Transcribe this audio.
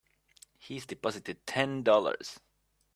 He's deposited Ten Dollars.